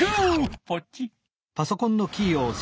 ポチッ。